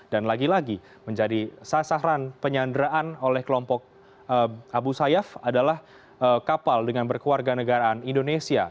dan lagi lagi menjadi sasaran penyandraan oleh kelompok abu sayyaf adalah kapal dengan berkeluarga negaraan indonesia